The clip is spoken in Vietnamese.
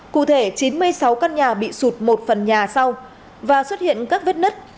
cụ thể chín mươi sáu căn nhà bị sụt một phần nhà sau và xuất hiện các vết nứt